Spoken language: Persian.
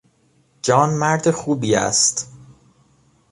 جان مرد خوبی است.